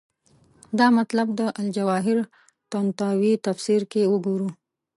دا مطلب د الجواهر طنطاوي تفسیر کې وګورو.